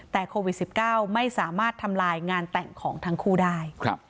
แต่โควิดสิบเก้าไม่สามารถทำลายงานแต่งของทั้งคู่ได้ครับ